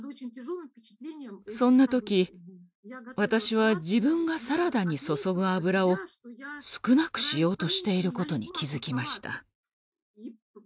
そんな時私は自分がサラダに注ぐ油を少なくしようとしていることに気付きました。